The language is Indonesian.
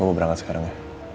mau berangkat sekarang ya